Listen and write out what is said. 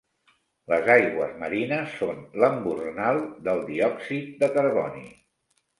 Les aigües marines són l'embornal del diòxid de carboni.